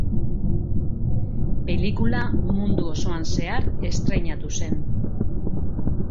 Pelikula mundu osoan zehar estreinatu zen.